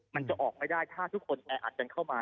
มันจะออกไม่ได้ถ้าทุกคนแออัดกันเข้ามา